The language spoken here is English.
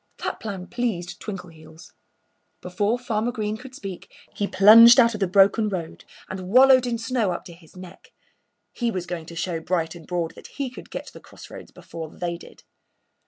That plan pleased Twinkleheels. Before Farmer Green could speak he plunged out of the broken road and wallowed in snow up to his neck. He was going to show Bright and Broad that he could get to the crossroads before they did.